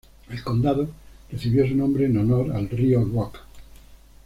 El condado recibe su nombre en honor al Río Rock.